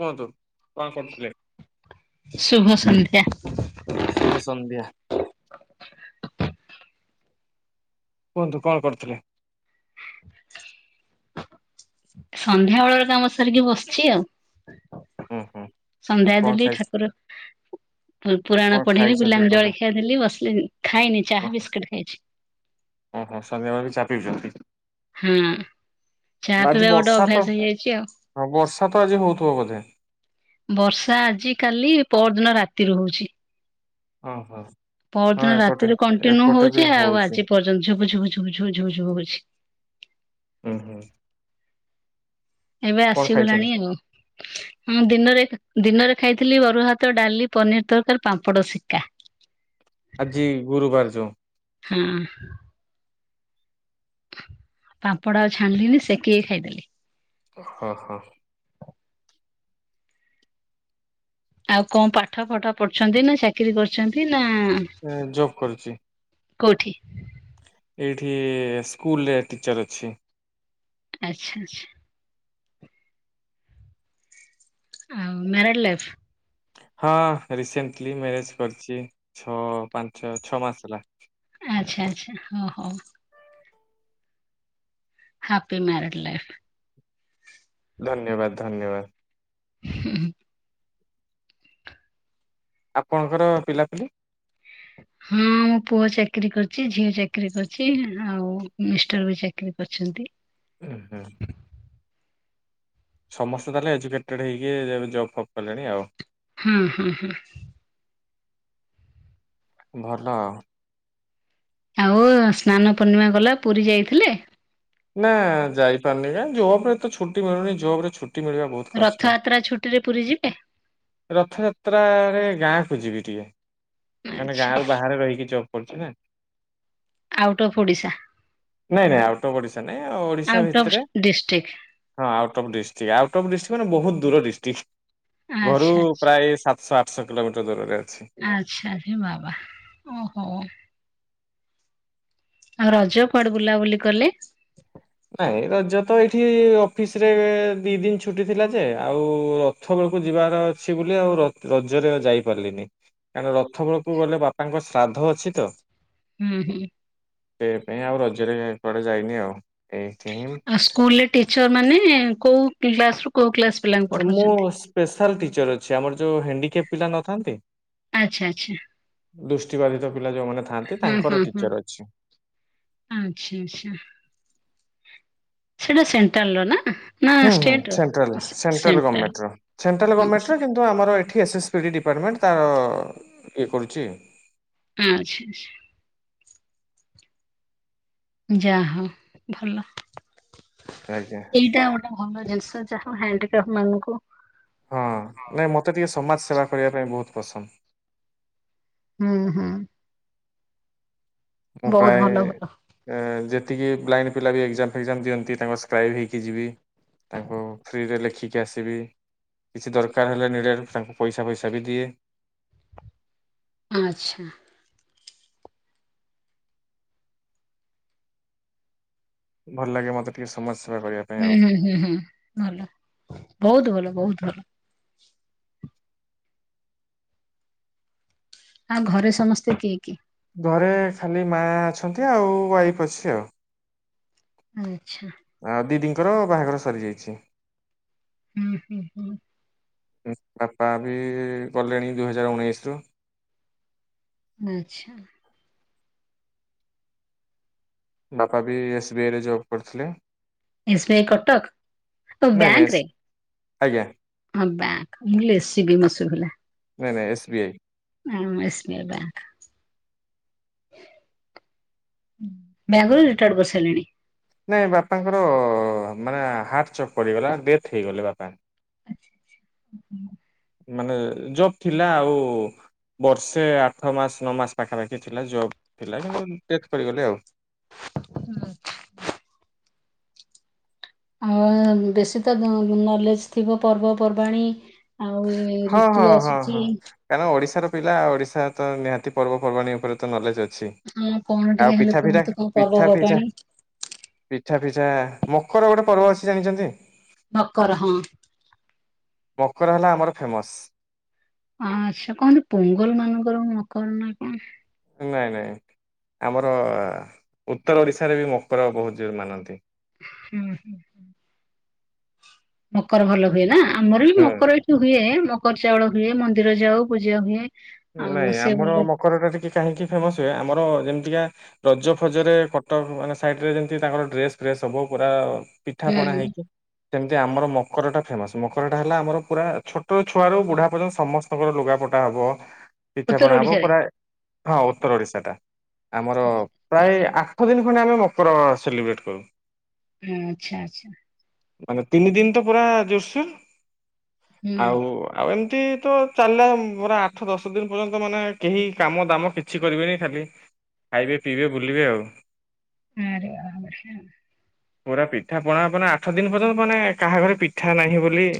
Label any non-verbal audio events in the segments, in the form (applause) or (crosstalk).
କୁହନ୍ତୁ କଣ କରୁଥିଲେ। ଶୁଭ ସନ୍ଧ୍ୟା। ଶୁଭ ସନ୍ଧ୍ୟା। କୁହନ୍ତୁ କଣ କରୁଥିଲେ। ସନ୍ଧ୍ୟା ବେଳର କାମ ସାରିକି ବସିଛି ଆଉ। ହୁଁ ହୁଁ ସନ୍ଧ୍ୟା କଣ ଦେଲି ଖାଇ ଠାକୁର ପୁ ପୁରାଣ କଣ ପଢିଲି ଖାଇଛନ୍ତି ପିଲାଙ୍କୁ କୁହନ୍ତୁ? ଜଳଖିଆ ଦେଲି ବସିଲି ଖାଇନି ଚାହା ଓହୋ ବିସ୍କଟେ ଖାଇଛି। ଓହୋ ସନ୍ଧ୍ୟା ବେଳେ ବି ଚା ପିଉଚନ୍ତି। ହୁଁ। ଚା ଆଜି ପିଇବା ଗୋଟେ ବର୍ଷା ତ ଅଭ୍ୟାସ ହେଇଯାଇଛି ଆଉ। ହଁ ବର୍ଷା ତ ଆଜି ହଉଥିବ ବୋଧେ? ବର୍ଷା ଆଜି କାଲି ପର ଦିନ ରାତି ରୁ ହୋଉଛି। ହଁ ହଁ। ପର ଦିନ ଏପଟେ ରାତିରୁ କଣ୍ଟିନ୍ୟୁ ଏପଟେ ବି ହୋଉଛି ଆଉ ହଉଛି। ଆଜି ପର୍ଯ୍ୟନ୍ତ ଝୁପ ଝୁପ ଝୁପ ଝୁପ ଝୁପ ଝୁପ୍ ହୋଉଛି। ହୁଁ ହୁଁ। ଏବେ କଣ ଆସିଗଲାଣି ଖାଇଛନ୍ତି? ଆଉ। ହଁ ଦିନରେ ଦିନରେ ଖାଇଥିଲି ଅରୁଆଭା, ଡାଲି, ପନିର ତରକାରୀ, ପାମ୍ପଡ ଶିକା। ଆଜି ଗୁରୁବାର ଯୋଉ। ହଁ। ପାମ୍ପଡ଼ ଆଉ ଛାଣିଲିନି ସେକିକି ଖାଇଦେଲି। ହଁ ହଁ। ଆଉ କଣ ପାଠ ଫଠ ପଢୁଛନ୍ତି ନା ଚାକିରୀ କରିଛନ୍ତି ନା ଜବ୍ କରୁଛି କୋଉଠି। ଏଇଠି ସ୍କୁଲରେ ଟିଚର୍ ଅଛି। ଆଚ୍ଛା। ଆଉ ନେ ଲେଫ୍। ହଁ ରିସେଣ୍ଟଲି ମ୍ୟାରେଜ କରିଛି, ଛଅ ପାଞ୍ଚ ଛଅ ମାସ ହେଲା। ଆଚ୍ଛା ଆଚ୍ଛା ହଁ ହଉ। Happy married life. ଧନ୍ୟବାଦ ଧନ୍ୟବାଦ। ହୁ। ଆପଣଙ୍କର ପିଲାପିଲି। ହଁ ମୋ ପୁଅ ଚାକିରି କରିଛି। ଝିଅ ଚାକିରି କରିଛି। ଆଉ ମିଷ୍ଟର ବି ଚାକିରି କରିଛନ୍ତି। ଉୁଁ ହୁଁ। ସମସ୍ତେ ତାହେଲେ ଏଜୁକେଟେଡ ହେଇକି, ଏବେ ଜବ୍ ଫବ କଲେଣି ଆଉ। ହଁ ହଁ ହଁ ଭଲ ଆଉ। ଆଉ ସ୍ନାନ ପୂର୍ଣ୍ଣିମା ଗଲା ପୁରୀ ଯାଇଥିଲେ। ନା ଯାଇପାରିନି, କାଁ ଜୋବ ରେ ତ ଛୁଟି ମିଳୁନି ଜବ ରେ ଛୁଟି ମିଳିବା ବହୁତ କଷ୍ଟ। ରଥଯାତ୍ରା ଛୁଟିରେ ପୁରୀ ଯିବେ? ରଥଯାତ୍ରାରେ ଗାଁକୁ ଯିବି ଟିକିଏ। କାନେ ଗାଁ ଆଚ୍ଛା ରୁ ବାହାରେ ରହିକି ଜବ କରୁଛି ନା। Out of Odisha. ନାଇଁ ନାଁଇ ଆଉଟ ଅଫ୍ ଓଡିଶା ନଁ ଓଡ଼ିଶା ଭିତ କ ଫ୍ ଡିଷ୍ଟ୍ରିକ୍। ହଁ out of district, out of district ମାନେ ବହୁତ ଦୂର ଡିଷ୍ଟ୍ରିକ୍, ଘରୁ ଆଚ୍ଛା ଆଚ୍ଛା। ପ୍ରାୟ ସାତ ସାସଶହ କିଲୋମିଟର ଦୂରରେ ଅଛି। ଆଚ୍ଛା ହେ ବାବା ଓହୋ। ଆଉ ରଜ, କୁଆଡେ ବୁଲାବୁଲି କଲେ? ନାଇଁ ରଜ ତ ଏଇଠି, ଅଫିସ ରେ ଦି ଦିନ ଛୁଟି ଥିଲା ଯେ, ଆଉ ରଥ ବେଳକୁ ଯିବାର ଅଛି ବୋଲି, ଆଉ ରଥ ରଜରେ ଯାଇ ପାରିଲିନି। କାରଣ ରଥ ବେଳକୁ ଗଲେ ବାପାଙ୍କ ଶ୍ରାଦ୍ଧ ଅଛି ତ। ହୁଁ ହୁଁ। ସେ ପାଇଁ ଆଉ ରଜରେ ଏ କୁଆଡେ ଯାଇନି ଆଉ ଏ ଆଉ ସ୍କୁଲରେ ଟିଚର ମାନେ, କୋଉ କ୍ଲାସ ରୁ କୋଉ କ୍ଲାସ ପିଲାଙ୍କୁ ମୁଁ ପଢଉଛନ୍ତି? ସ୍ପେଶାଲ ଟିଚର ଅଛି। ଆମର ଯୋଉ ହଣ୍ଡିକେପ ପିଲା ନଥାନ୍ତି ଆଚ୍ଛା ଆଚ୍ଛା। ଦୃଷ୍ଟି ବାଧିତ ପିଲା ଯୋଉମାନେ। ଥାଆନ୍ତି ହୁଁ ତାଙ୍କର ହୁଁ ହୁଁ ଟିଚର ଅଛି। ଆଚ୍ଛା ଆଚ୍ଛା। ସେଇଟା ସେଣ୍ଟ୍ରାଲ ର ନା? ନା ହୁଁ ହୁଁ ଷ୍ଟେଟ ସେଣ୍ଟ୍ରାଲ ର ସେଣ୍ଟ୍ରାଲ ଗଭର୍ଣମେଣ୍ଟ ର ସେଣ୍ଟ୍ରାଲ ହଁ ଗଭର୍ଣମେଣ୍ଟ ର ସେ- କିନ୍ତୁ କିନ୍ତୁ ଆମର ଏଠି ଏସ୍ଏସ୍ ପି ଡ଼ି ଡିପାର୍ଟମେଣ୍ଟ, ତାର ଇଏ କରୁଛି। ଆଛା ଆଛା। ଯା ହୋଉ ଭଲ। ଖାଇଯା। ଏଇଟା ଗୋଟେ ଭଲ ଜିନିଷ ଯାହା ହଡିିକାଫ୍ ମାନଙ୍କୁ। ହଁ, ନାଇଁ ମତେ ଟିକେ ସମାଜ ସେବା କରିବା ପାଇଁ ବହୁତ ପସନ୍ଦ। ହୁଁ ହୁଁ। ମୁ ବହୁତ ପ୍ରାୟ ଭଲ ଭଲ। ଏ ଯେତିକି ବ୍ଲାଇଣ୍ଡ ପିଲା ବି ଏକ୍ଜାମ ଫେକ୍ଜାମ ଦିଅନ୍ତି, ତାଙ୍କ ସ୍କ୍ରାଇବ୍ ହେଇକି ଯିବି। ତାଙ୍କୁ ଫ୍ରିରେ ଲେଖିକି ଆସିବି। କିଛି ଦରକାର ହେଲେ ନିଡ଼େ ତାଙ୍କୁ ପଇସା ଫଇସା ବି ଦିଏ। ହଁ ଆଚ୍ଛା। ଭଲ ଲାଗେ ମତେ ଟିକେ ସମାଜ ସେବା କରିଆକୁ। ହୁଁ ହୁଁ ହୁଁ ଭଲ ବହୁତ ଭଲ ବହୁତ ଭଲ। ଆଉ ଘରେ ସମସ୍ତେ କିଏ କିଏ? ଘରେ ଖାଲି ମା ଅଛନ୍ତି ଆଉ ୱାଇଫ ଅଛି ଆଉ। ଆଚ୍ଛା। ଆ ଦିଦିଙ୍କର ବାହାଘର ସରିଯାଇଛି। ହୁଁ -ହୁଁ - ହୁଁ। ବାପା ବି ଗଲେଣି ଦୁଇ ହଜାରେ ଉଣେଇଶି ରୁ। ଆଛା। ବାପା ବି ଏସ୍ ବି ଆଇ ରେ ଜବ୍ କରିଥିଲେ। S B I Cuttack. ଓ ନାଇଁ ନାଇଁ ବ୍ୟାଙ୍କ ଏସ୍- ରେ? ଆଜ୍ଞା। ହଁ ବ୍ୟାଙ୍କ୍ ମୁଁ ହିଲି ଏ ସି ବି ମ ଶୁଭିଲା। ନହିଁ ନାଇଁ ଏସ୍ ବି ଆଇ। ନାଇଁ ଏସ୍ମି ବ୍ୟାକ୍। ବ୍ୟାଙ୍କ ରୁ ରିଟାଡ କରିସାରିଲେଣି। ନାଇଁ ବାପାଙ୍କର ମାନେ ହାର୍ଟ ଚକ୍ ପଡିଗଲା ଡେଥ୍ ହେଇଗଲେ ବାପା। (unintelligible) ମାନେ ଜବ ଥିଲା ଆଉ ବର୍ଷେ ଆଠ ମାସ, ନଅ ମାସ ପାଖାପାଖି ଥିଲା ଜବ ଥିଲା, କିନ୍ତୁ ଡେଥ୍ କରିଗଲେ ଆଉ। ହୁଁ। ଆଉ ବେଶୀ ତ ନଲେଜେହ ଥିବ ପର୍ବପର୍ବାଣି ଆଉ ଏ ହଁ ଋତୁ ହଁ ହଁ ଆସିଚି। ହଁ। କାରଣ ଓଡିଶାର ପିଲା ଓଡିଶା ତ ନିହାତି ପର୍ବପର୍ବାଣୀ ଉପରେ ନଲେଜ ଅଛି ହଁ କଣ ଟିକେ ଆଉ ହେଲେ ପିଠା ଦିଟା କୁହନ୍ତୁ କଣ ପିଠା ଦିଟା। ପର୍ବପର୍ବାଣୀ? ମକର ଗୋଟେ ପର୍ବ ଅଛି ଜାଣିଛନ୍ତି? ମକର ହଁ। ମକର ହେଲା ଆମର ଫେମସ୍। ଆଚ୍ଛା କହନ୍ତି ପୋଙ୍ଗଲ ମାନଙ୍କର ମକର ନା କଣ? ନାଇଁ ନାଇଁ ଆମର ଉତ୍ତର ଓଡିଶାରେ ବି ମକର ବହୁତ ଜୋର ମାନନ୍ତି। ହୁଁ ହୁଁ। ମକର ଭଲ ହୁଏନା ଆମରବି ହୁଁ। ମକର ଏଠି ହୁଏ ମକର ଚାଉଳ ହୁଏ ମନ୍ଦିର ଯାଉ ପୂଜାହୁଏ। ନାଇଁ ଆମର ମକରଟା ଟିକେ କାହିଁକି ଫେମସ ହୁଏ ଆମର ଯେମିତିକା ରଜ ଫଜରେ କଟକ ମାନେ ସାଇଟି ରେ ଯେମତି ତାଙ୍କର ଡ୍ରେସ ଫ୍ରେସ୍ ସବୁ ପୁରା ପିଠା ପଣା ହୁଁ ହେଇକି ସେମିତି ଆମର ମକରଟା ଫେମସ ମକରଟା ହେଲା ଆମର ପୁରା ଛୋଟ ଛୁଆରୁ ବୁଢା ପର୍ଯ୍ୟନ୍ତ ସମସ୍ତେ ମକର ଲୁଗା ପଟା ହବ ଉତ୍ତର ପିଠାପଣା ହେବ ଓଡିଶାରେ ପୁରା ହଁ ଉତ୍ତର ଓଡ଼ିଶାଟା ଆମର ପ୍ରାୟ ଆଠ ଦିନ ଖଣ୍ଡେ ଆମେ ମକର ସେଲିବ୍ରେଟ କରୁ। ହୁଁ ଆଚ୍ଛା ଆଚ୍ଛା। ମାନେ ତିନି ଦିନ ତ ପୁରା ଜୋରସୋର ହୁଁ। ଆଉ ଆଉ ଏମିତି ତ ଚାଲେ ପୁରା ଆଠ ଦଶ ଦିନି ପର୍ଯ୍ୟନ୍ତ ମାନେ କେହି କାମ ଦାମ କିଛି କରିବେନି ଖାଲି ଖାଇବେ ପିଇବେ ବୁଲିବେ ଆଉ। ଆରେ ବାବ୍ ରେ ହେ। ପୁରା ପିଠା ପଣା ମାନେ ଆଠ ଦିନ ପର୍ଯ୍ୟନ୍ତ ମାନେ କାହାଘରେ ପିଠା ନାହିଁ ବୋଲି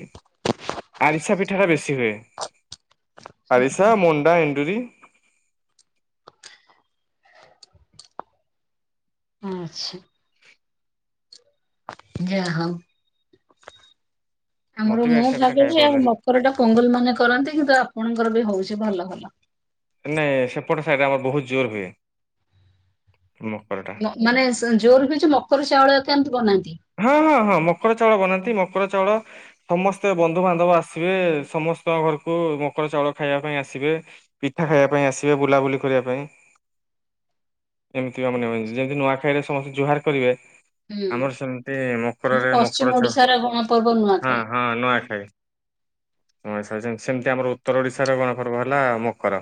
ଆରିସା ପିଠା ଟା ବେଶୀ ହୁଏ। ଆରିସା ମୁଣ୍ଡା ଏଣ୍ଡରି। ଆଚ୍ଛା। ଯାହା ହଉ ମତେ ଆମର ବି ଆରିସା ମୁଟ ପିଠା ଖାଇବାକୁ ଲାଗିଚି ଭଲ ଆଉ ଲାଗେ ମ ମୋର ଏଟା ପୁଙ୍ଗୁଲୁ ମାନେ କରନ୍ତି କିନ୍ତୁ ଆପଣଙ୍କର ବି ହଉଚି ଭଲ ଭଲ। ନାଇଁ ସେପଟ ସାଇଡରେ ଆମର ବହୁତ ଜୋର ହୁଏ ମକର ଟା। ମାନେ ଜୋର ହଉଚି। ମକର ଚାଉଳ କେମିତି ବନାନ୍ତି? ହଁ ହଁ ହଁ ମକର ଚାଉଳ ବନାନ୍ତି ମକର ଚାଉଳ। ସମସ୍ତେ ବନ୍ଧୁ ବାନ୍ଧବ ଆସିବେ। ସମସ୍ତଙ୍କ ଘରକୁ ମକର ଚାଉଳ ଖାଇବା ପାଇଁ ଆସିବେ। ପିଠା ଖାଇବା ପାଇଁ ଆସିବେ ବୁଲାବୁଲି କରିବା ପାଇଁ। ଏମିତିକା ମନ ଏକଜାଟଲି ନୂଆଖାଇରେ ସମସ୍ତେ ଜୁହାର କରିବେ। ହୁଁ। ଆମର ସେମିତି ଇ ଆମ ମକରରେ ପଶ୍ଚିମ ମକର ଚାଉଳ ଓଡିଶାର ଗଣପର୍ବ ହଁ ନୂଆଖାଇ। ହଁ ନୂଆଖାଇ। ହଁ ସେ ଯେ ସେମିତି ଆମର ଉତ୍ତର ଓଡିଶାର ନୂଆପର୍ବ ହେଲା ମକର।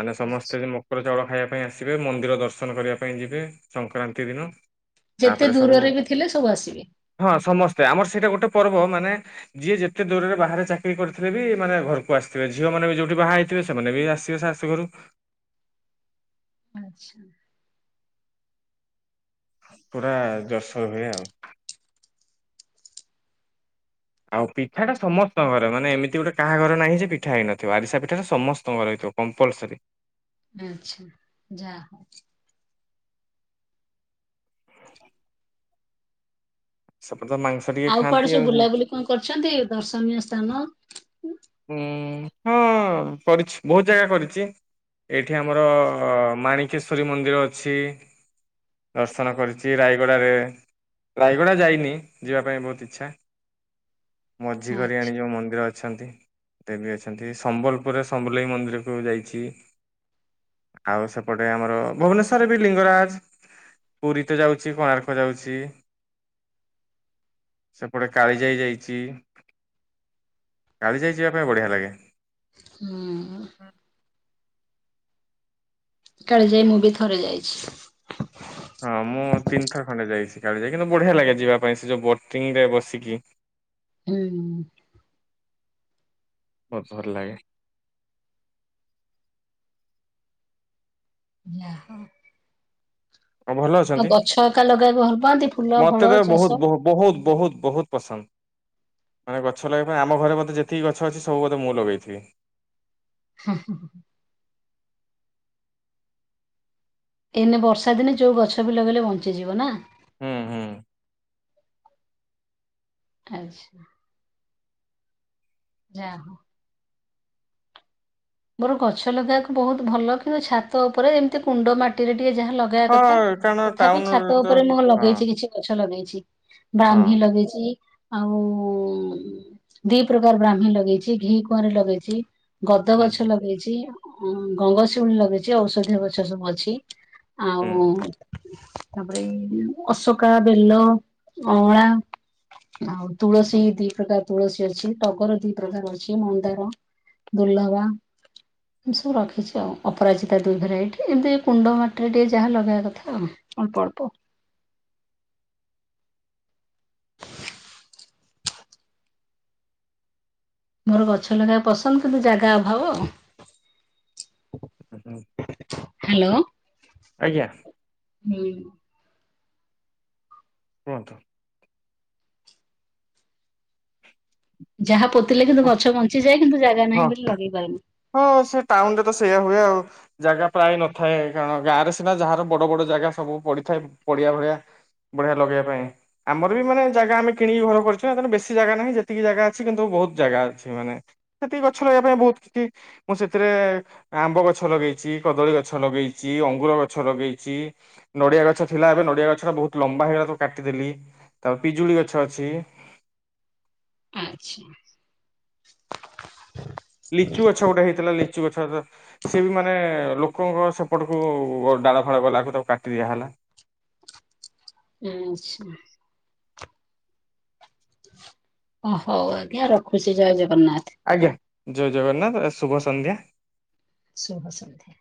ମାନେ ସମସ୍ତେ ସେ ମ ମକର ଚାଉଳ ଖାଇବା ପାଇଁ ଆସିବେ। ମନ୍ଦିର ଦର୍ଶନ କରିବା ପାଇଁ ଯିବେ ସଂକ୍ରାନ୍ତି ଦିନ। ଯେତେ ତାପରେ ସବୁ ଦୂରରେ ବି ଥିଲେ ସବୁ ଆସିବେ। ହଁ ସମସ୍ତେ ଆମର ସେଇଟା ଗୋଟେ ପର୍ବ ମାନେ ଯିଏ ଯେତେ ଦୂରରେ ବାହାରେ ଚାକିରି କରିଥିଲେ ବି ମାନେ ଘରକୁ ଆସିଥିବେ। ଝିଅ ମାନ ବି ଯୋଉଠି ବାହା ହେଇଥିବେ ସେମାନେ ବି ଆସିବେ ସା ସେ ଘରୁ ଆଚ୍ଛା। ପୁରା ଜର୍ଶର ଭଳିଆ ଆଉ। ଆଉ ପିଠା ଟା ସମସ୍ତ ଘରେ। ମାନେ ଏମିତି ଗୋଟେ କାହା ଘରେ ନାହିଁ ଯେ ପିଠା ହେଇନଥିବ ଆରିଶା ପିଠା ଟା ସମସ୍ତ ଘରେ ହେଇଥିବ। କମ୍ପଲସରି। ଆଛା ଯା ହଉ। ସେପଟେ ତ ନାଇଁ। ଆଉ କୁଆଡେ ସବୁ ବୁଲାବୁଲି କଣ କରିଚନ୍ତି ଦର୍ଶନୀୟ ସ୍ଥାନ? ଉଁ ହଁ କରିଚି। ବହୁତ ଜାଗା କରିଚି। ଏଇଠି ଆମର ମାଣିକେଶ୍ଵରୀ ମନ୍ଦିର ଅଛି। ଦର୍ଶନ କରିଚି ରାୟଗଡ଼ାରେ। ରାୟଗଡା ଯାଇନି ଯିବା ପାଇଁ ବହୁତ ଇଚ୍ଛା। ଆଚ୍ଛା ମଝିଘରିଆଣି ଯୋଉ ମନ୍ଦିର ଅଛନ୍ତି। ଦେବୀ ଅଛନ୍ତି। ସମ୍ବଲପୁରରେ ସମ୍ବଲେଇ ମନ୍ଦିର କୁ ଯାଇଚି। ଆଉ ସେପଟେ ଆମର ଭୁବନେଶ୍ଵର ବି ଲିଙ୍ଗରାଜ ପୁରୀ ତ ଯାଉଚି କୋଣାର୍କ ଯାଉଚି। ସେପଟେ କାଳି ଯାଇ ଯାଇଚି। କାଳି ଯାଇ ଯିବା ପାଇଁ ବଢିଆ ଲାଗେ। ହୁଁ। କାଳେ ଯାଇ ମୁଁ ବି ଥରେ ଯାଇଚି। ହଁ ମୁଁ ତିନିଥର ଖଣ୍ଡେ ଯାଇଚି କାଳିଜାଇ କିନ୍ତୁ ବଢିଆ ଲାଗେ ଯିବା ପାଇଁ ସେ ଯୋଉ ବୋଟିଙ୍ଗି ରେ ବସିକି। ଉଁହୁଁ। ବଧର ଲାଗେ। ନା ହଁ। ହ ଭଲ ଅଛନ୍ତି? ଗଛ ହକା ଲଗେଇବାକୁ ଭଲ ପାଆନ୍ତି ଫୁଲ ଫଳ ମତେ ତ ଚାଷ ବହୁତ ବହୁତ ବହୁତୁ ବହୁତୁ ବହୁତୁ ପସନ୍ଦ। ମାନେ ଗଛ ଲଗେଇବା ପାଇଁ, ଆମ ଘରେ ଯେତିକି ଗଛ ଅଛି ସବୁ ବୋଧେ ମୁଁ ଲଗେଇିଥିବି। ହୁଁ। ଏନେ ବର୍ଷା ଦିନେ, ଯୋଉ ଗଛ ବି ଲଗେଇଲେ ବଞ୍ଚିଯିବ ନା? ହୁଁ, ହୁଁ। ଆଚ୍ଛା। ଯା ହଉ। ମୋର ଗଛ ଲଗେଇବାକୁ ବହୁତ ଭଲ କିନ୍ତୁ ଛାତ ଉପରେ ଏମିତି କୁଣ୍ଡ ମାଟିରେ ଟିକେ ଯାହା ଲ ଗାଇବା କଥା, ହଁ କାରଣ ତଥାପି ଟାଉନ ଛାତ ତ ଉପରେ ମୁଁ ହଁ ଲଗେଇଛି କିଛି। ଗଛ ଲଗେଇଛି, ବ୍ରାହ୍ମୀ ହଁ ଲଗେଇଛି। ଆଉ ଦି ପ୍ରକାର ବ୍ରାହ୍ମୀ ଲଗେଇଛି, ଘି କୂଆଁରି ଲଗେଇଛି। ଦ ହୁଁ ଗଛ ହୁଁ ଲଗେଇଛି, ଅ ଗଙ୍ଗଶିଉଳି ଲଗେଇଛି, ଔଷଧୀୟ ଗଛ ସବୁ ଅଛି। ହୁଁ ଆଉ ତାପରେ ଅସକା, ବେଲ, ଅଁଳା ଆଉ ତୁଳସୀ ଦି ପ୍ରକାର ତୁଳସୀ ଅଛି, ଟଗର ଦି ପ୍ରକାର ଅଛି, ମନ୍ଦାର ଦୁର୍ଲଭା ଏ ସବୁ ରଖିଛି ଆଉ, ଅପରାଜିତା ଦୁଇ ଭେରାଇଟି ଏବେ କୁଣ୍ଡ ମାଟିରେ ଟିକେ ଯାହା ଲଗାଇବା କଥା ଆଉ। ଅଳ୍ପ, ଅଳ୍ପ। ମୋର ଗଛ ଲଗେଇବା ପସନ୍ଦ କିନ୍ତୁ ଜାଗା ଅଭାବ। ହୁଁ ହୁଁ। ହ୍ୟାଲୋ। ଆଜ୍ଞା। ହୁଁ। କୁହନ୍ତୁ। ଯାହା ପୋତିଲେ କିନ୍ତୁ ଗଛ ବଞ୍ଚିଯାଏ କିନ୍ତୁ ଜାଗା ହଁ ନାହିଁ ବୋଲି ଲଗେଇ ପାଇଲି ହଁ ସେ ଟାଉନ ରେ ତ ସେଇୟା ହୁଏ ଆଉ। ଜାଗା ପ୍ରାୟ ନଥାଏ, କାରଣ ଗାଁ ରେ ସିନା ଯାହାର ବଡ ବଡ ଜାଗା ସବୁ ପଡିଥାଏ ପଡିଆ ଭଳିଆ ବଢ଼ିଆ ଲଗେଇବା ପାଇଁ। ଆମର ବି ମାନେ ଜାଗା ଆମେ କିଣିକି ଘର କରିଛୁ ୟାଙ୍କର ବେଶୀ ଜାଗା ନାହିଁ ଯେତିକି ଜାଗା ଅଛି କିନ୍ତୁ ବହୁତ ଜାଗା ଅଛି, ମାନେ ସେତିକି ଗଛ ଲଗବା ପାଇଁ ବହୁତ କିଛି ମୁଁ ସେଥିରେ ଆମ୍ବ ଗଛ ଲଗେଇଛି, କଦଳୀ ଗଛ ଲଗେଇଛି, ଅଙ୍ଗୁର ଗଛ ଲଗେଇଛି। ନଡିଆ ଗଛ ଥିଲା, ଏବେ ନଡିଆ ଗଛ ଟା ବହୁତ ଲମ୍ବା ହେଇଗଲା ତାକୁ କାଟିଦେଲି, ତାରେ ପିଜୁଳି ଗଛ ଅଛି। ଆଚ୍ଛା। ଲିଚୁ ଗଛ ଗୋଟେ ହେଇଥିଲା, ଲିଚୁ ଗଛ ତ ସିଏ ବି ମାନେ ଲୋକଙ୍କ ସେପଟକୁ ଡାଳ ଫାଳ ଗଲାକୁ ତାକୁ କାଟି ଦିଆ ହେଲା। ହୁଁ ଆଚ୍ଛା। ଓ ହଉ ଆଜ୍ଞା ରଖୁଛି, ଜୟ ଜଗନ୍ନାଥ। ଆଜ୍ଞା, ଜୟ ଜଗନ୍ନାଥ, ଶୁଭ ସନ୍ଧ୍ୟା। ଶୁଭ ସନ୍ଧ୍ୟା।